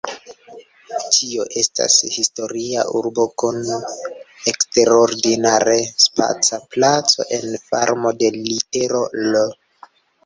Tio estas historia urbo kun eksterordinare spaca placo en formo de litero "L".